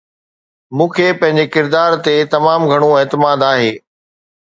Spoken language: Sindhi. مون کي پنهنجي ڪردار تي تمام گهڻو اعتماد آهي